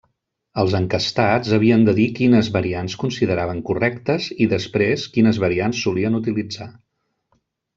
Els enquestats havien de dir quines variants consideraven correctes i després quines variants solien utilitzar.